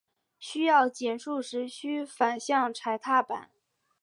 需要减速时须反向踩踏板。